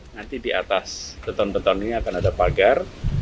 nanti di atas beton beton ini akan ada pagar